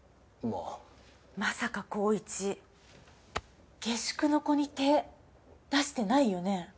まさか紘一下宿の子に手出してないよね？